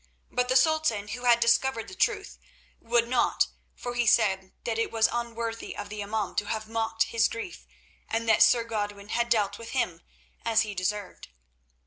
But the Sultan, who had discovered the truth, would not, for he said that it was unworthy of the imaum to have mocked his grief, and that Sir Godwin had dealt with him as he deserved.